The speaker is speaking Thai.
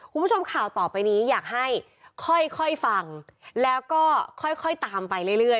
คุณผู้ชมข่าวต่อไปนี้อยากให้ค่อยฟังแล้วก็ค่อยตามไปเรื่อย